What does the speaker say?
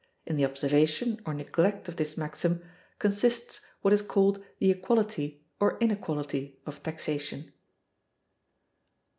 In the observation or neglect of this maxim consists what is called the equality or inequality of taxation.